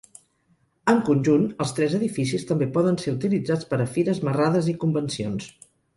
En conjunt, els tres edificis també poden ser utilitzats per a fires, marrades i convencions.